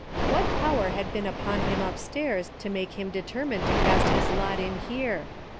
What power had been upon him upstairs to make him determine to cast his lot in here